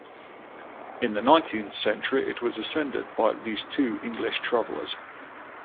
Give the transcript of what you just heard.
In the nineteenth century it was ascended by at least two English travelers.